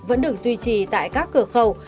vẫn được duy trì tại các cửa khẩu